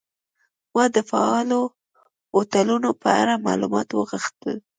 ما د فعالو هوټلونو په اړه معلومات وغوښتل.